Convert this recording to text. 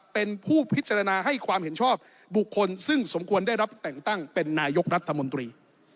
เป็นผู้พิจารณาให้ความเห็นชอบบุคคลซึ่งสมควรได้รับแต่งตั้งเป็นนายกรัฐมนตรี